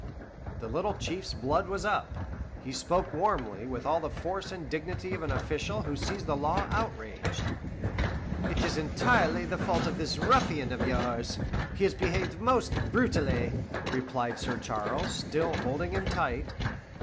The little Chief's blood was up; he spoke warmly, with all the force and dignity of an official who sees the law outraged. "It is entirely the fault of this ruffian of yours; he has behaved most brutally," replied Sir Charles, still holding him tight.